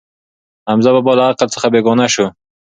حمزه بابا له عقل څخه بېګانه شو.